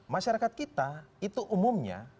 masyarakat kita itu umumnya melihat apa yang terjadi